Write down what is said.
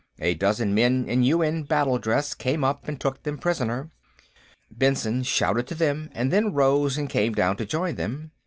A dozen men in UN battledress came up and took them prisoner. Benson shouted to them, and then rose and came down to join them.